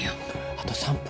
あと３分。